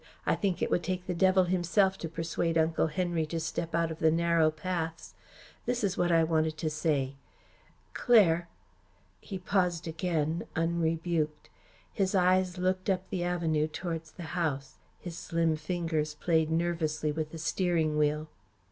"I think it would take the devil himself to persuade Uncle Henry to step out of the narrow paths. This is what I wanted to say Claire." He paused again, unrebuked. His eyes looked up the avenue towards the house. His slim fingers played nervously with the steering wheel.